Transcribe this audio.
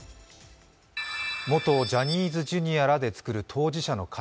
元ジャニーズＪｒ．らで作る当事者の会。